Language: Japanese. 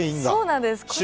そうなんです。